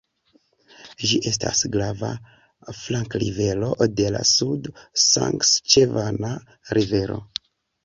Ĝi estas grava flankrivero de la Sud-Saskaĉevana rivero.